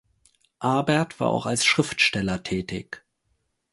Abert war auch als Schriftsteller tätig.